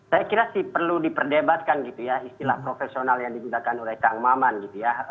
saya kira sih perlu diperdebatkan gitu ya istilah profesional yang digunakan oleh kang maman gitu ya